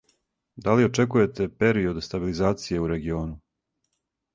Да ли очекујете период стабилизације у региону?